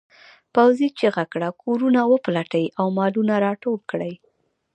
پوځي چیغه کړه کورونه وپلټئ او مالونه راټول کړئ.